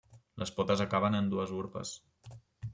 Les potes acaben en dues urpes.